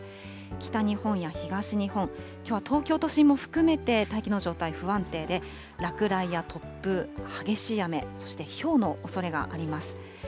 北日本や東日本、きょうは東京都心も含めて、大気の状態、不安定で、落雷や突風、激しい雨、そしてひょうのおそれがあります。